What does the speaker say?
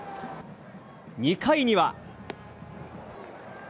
２回には。